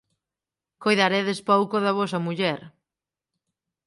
Coidaredes pouco da vosa muller!